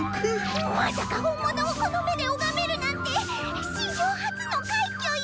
まさか本物をこの目で拝めるなんて史上初の快挙よ！